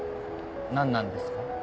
何なんですか？